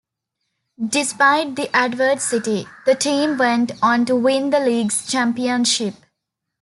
Despite this adversity, the team went on to win the league's championship.